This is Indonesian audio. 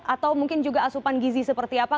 atau mungkin juga asupan gizi seperti apa